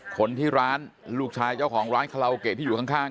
คนที่ร้านลูกชายเจ้าของร้านคาราโอเกะที่อยู่ข้าง